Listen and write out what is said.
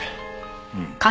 うん。